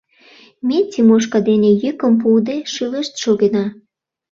Ме Тимошка дене йӱкым пуыде шӱлешт шогена.